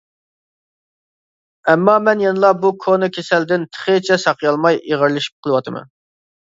ئەمما مەن يەنىلا بۇ «كونا كېسەل» دىن تېخىچە ساقىيالماي ئېغىرلىشىپ قېلىۋاتىمەن.